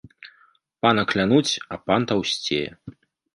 Пана клянуць, а пан таўсцее